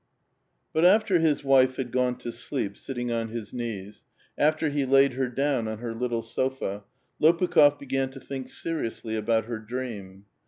But after bis wife bad gone to sleep sitting on his knees, after be laid her down on her little sofa, Loi)ukh6f began to think seriously about her dream.